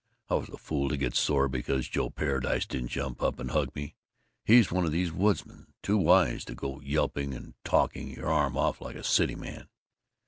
I was a fool to get sore because Joe Paradise didn't jump up and hug me. He's one of these woodsmen; too wise to go yelping and talking your arm off like a cityman.